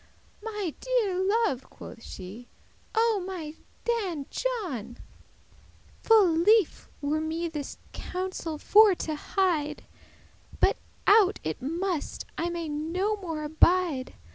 "My deare love," quoth she, "O my Dan John, Full lief* were me this counsel for to hide, *pleasant But out it must, I may no more abide.